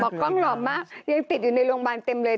กล้องหล่อมากยังติดอยู่ในโรงพยาบาลเต็มเลย